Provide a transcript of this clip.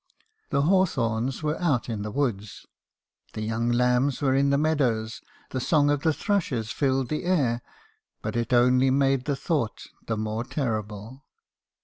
The hawthorns were out in the woods, the young lambs were in the meadows, the song of the thrushes filled the air; but it only made the thought the more terrible.